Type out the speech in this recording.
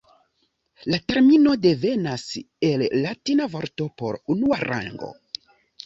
La termino devenas el latina vorto por "unua rango".